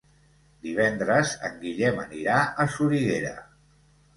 Divendres en Guillem anirà a Soriguera.